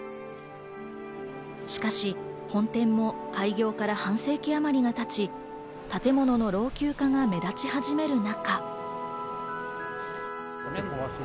しかし、本店も開業から半世紀あまりがたち、建物の老朽化が目立ち始める中。